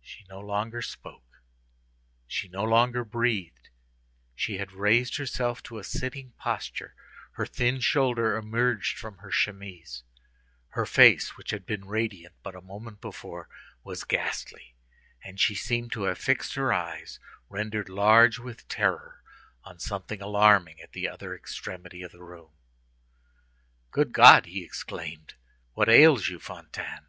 She no longer spoke, she no longer breathed; she had raised herself to a sitting posture, her thin shoulder emerged from her chemise; her face, which had been radiant but a moment before, was ghastly, and she seemed to have fixed her eyes, rendered large with terror, on something alarming at the other extremity of the room. "Good God!" he exclaimed; "what ails you, Fantine?"